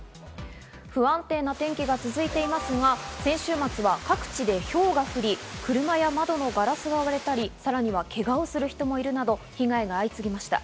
不安定な天気が続いていますが、先週末は各地でひょうが降り、車や窓のガラスが割れたり、さらにはけがをする人もいるなど、被害が相次ぎました。